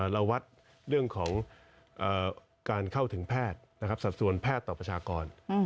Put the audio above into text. เราวัดเรื่องของการเข้าถึงแพทย์สัดส่วนแพทย์ต่อประชากร